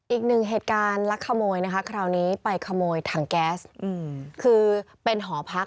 อีกหนึ่งเหตุการณ์ลักขโมยนะคะคราวนี้ไปขโมยถังแก๊สคือเป็นหอพัก